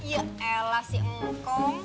ya elah si ngkong